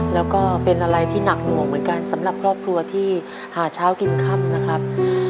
แล้วก็เป็นอะไรที่หนักหน่วงเหมือนกันสำหรับครอบครัวที่หาเช้ากินค่ำนะครับ